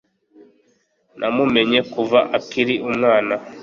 Namumenye kuva akiri umwana.